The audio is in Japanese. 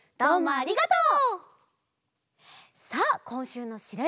ありがとう！